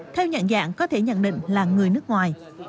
theo nhận dạng có thể nhận định là người nước ngoài